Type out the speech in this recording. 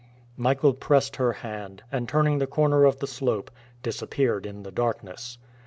Michael pressed her hand, and, turning the corner of the slope, disappeared in the darkness.